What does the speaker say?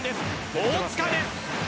大塚です。